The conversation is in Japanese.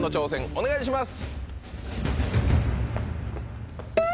お願いします。